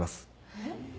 ・えっ？